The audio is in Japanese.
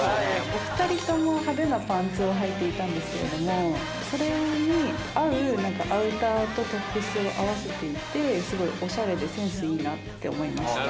お二人とも派手なパンツをはいていたんですけれどもそれに合うアウターとトップスを合わせていてすごいオシャレでセンスいいなって思いました。